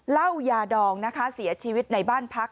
เหล้ายาดองนะคะเสียชีวิตในบ้านพัก